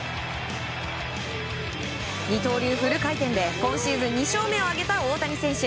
二刀流フル回転で今シーズン２勝目を挙げた大谷選手。